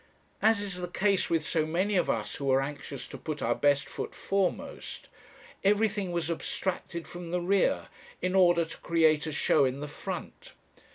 As is the case with so many of us who are anxious to put our best foot foremost, everything was abstracted from the rear in order to create a show in the front.